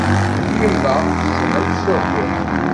Yemma tessen ad tesseww.